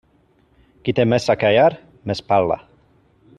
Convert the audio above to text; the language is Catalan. Qui té més a callar més parla.